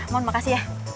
mohon makasih ya